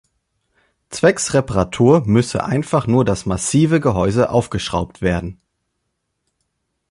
Zwecks Reparatur müsse einfach nur das massive Gehäuse aufgeschraubt werden.